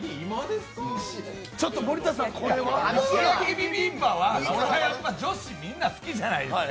石焼きビビンバは女子みんな好きじゃないですか。